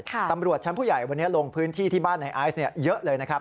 ตำรวจชั้นผู้ใหญ่วันนี้ลงพื้นที่ที่บ้านในไอซ์เยอะเลยนะครับ